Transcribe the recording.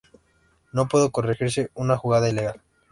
No puede corregirse una jugada ilegal.